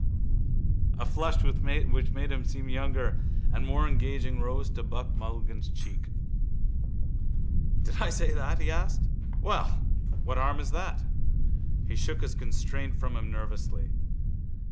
_ A flush which made him seem younger and more engaging rose to Buck Mulligan's cheek. —Did I say that? he asked. Well? What harm is that? He shook his constraint from him nervously.